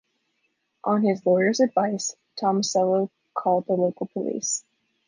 On his lawyer's advice, Tomasello called the local police.